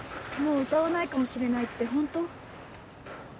もう歌わないかもしれないってホント？